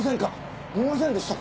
見ませんでしたか？